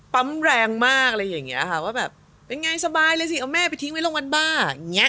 ปั๊มแรงมากว่าเป็นไงสบายเลยสิเอาแม่ไปทิ้งไว้ร่วงวันบ้า